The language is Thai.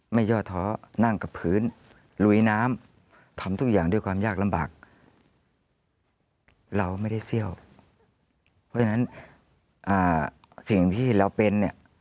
ไม่ยอดท้อนั่งกับพื้น